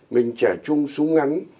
mình trẻ trung xuống ngắn